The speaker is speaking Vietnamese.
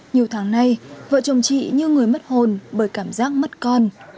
nhiều tháng nay vợ chồng chị như người mất hồn bởi cảm giác mất con